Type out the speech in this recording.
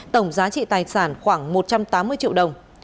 tổng giá trị tài sản khoảng một trăm tám mươi triệu đồng